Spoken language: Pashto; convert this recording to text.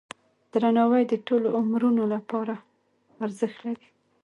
درناوی د ټولو عمرونو لپاره ارزښت لري.